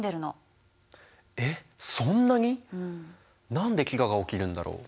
何で飢餓が起きるんだろう？